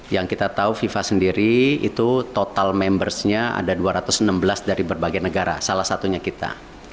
yang kita tahu fifa sendiri itu total membersnya ada dua ratus enam belas dari berbagai negara salah satunya kita